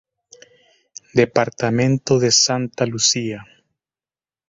Departamento de Santa Lucía.